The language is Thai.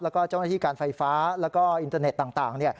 แล้วก็เจ้าหน้าที่การไฟฟ้าแล้วก็อินเทอร์เน็ตต่าง